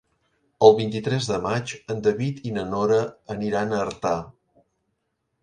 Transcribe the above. El vint-i-tres de maig en David i na Nora aniran a Artà.